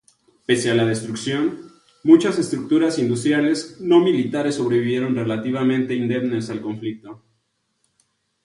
Pese a la destrucción, muchas estructuras industriales no militares sobrevivieron relativamente indemnes al conflicto.